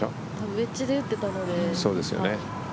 ウェッジで打ってたので。